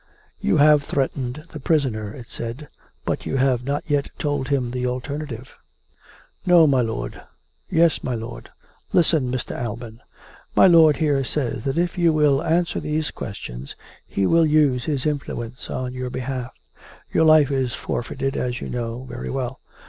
" You have threatened the prisoner," it said, " but you have not yet told him the alternative." " No, my lord. ... Yes, my lord. Listen, Mr. Alban. My lord here says that if you will answer these questions he will use his influence on your behalf. Your life is for feited, as you know very well.